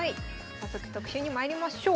早速特集にまいりましょう。